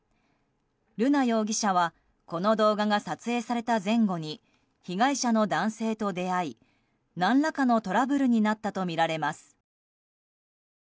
瑠奈容疑者はこの動画が撮影された前後に被害者の男性と出会い何らかのトラブルになったとみられます。